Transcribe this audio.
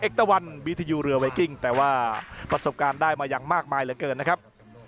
ตะวันบีทยูเรือเวกิ้งแต่ว่าประสบการณ์ได้มาอย่างมากมายเหลือเกินนะครับ